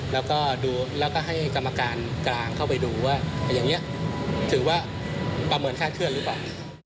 แล้วก็ดูแล้วก็ให้กรรมการกลางเข้าไปดูว่าอย่างนี้ถือว่าประเมินค่าเคลื่อนหรือเปล่า